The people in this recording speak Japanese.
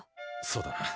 そうだな。